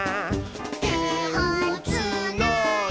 「てをつないで」